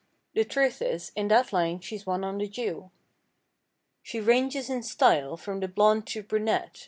The truth is: in that line she's one on the Jew. She ranges in style from the blonde to brunette.